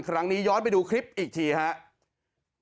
ครั้งนี้ย้อนไปดูคลิปอีกทีครับ